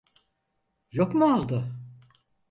Yok mu oldu?